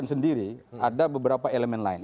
sendiri ada beberapa elemen lain